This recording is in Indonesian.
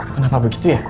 kenapa begitu ya